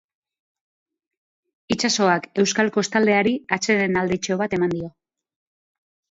Itsasoak euskal kostaldeari atsedenalditxo bat eman dio.